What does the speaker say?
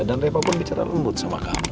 dan reva pun bicara lembut sama kamu